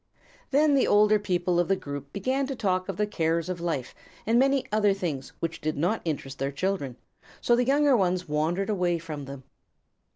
Then the older people of the group began to talk of the cares of life and many other things which did not interest their children, so the younger ones wandered away from them.